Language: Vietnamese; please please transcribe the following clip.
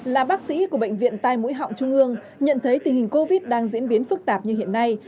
là bác sĩ của bệnh viện tai mũi họng trung ương nhận thấy tình hình covid đang diễn biến phức tạp như hiện nay